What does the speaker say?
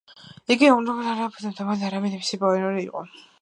იგი გეომორფოლოგიის არა ფუძემდებელი, არამედ მისი პიონერი იყო.